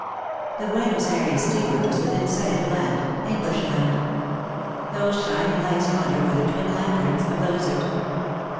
The Buenos Ayres steamer was within sight o£ land — English land. Those shining lights yonder were the twin . lanterns of the Lizard.